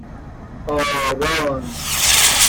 آران